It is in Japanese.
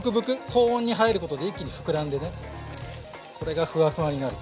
高温に入ることで一気に膨らんでねこれがフワフワになる。